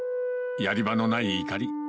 やり場のない怒り。